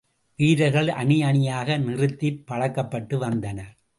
வீரர்கள் அணியணியாக நிறுத்திப் பழக்கப்பட்டு வந்தனர்.